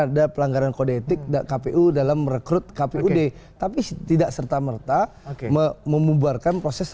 ada pelanggaran kode etik kpu dalam merekrut kpud tapi tidak serta merta memubarkan proses